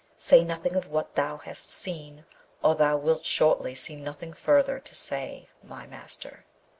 Say nothing of what thou hast seen, or thou wilt shortly see nothing further to say, my master.'